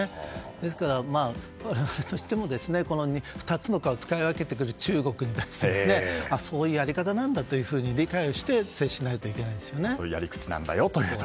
ですから、我々としても２つの顔を使い分けてくる中国に対してそういうやり方なんだと理解をしてそういうやり口なんだと。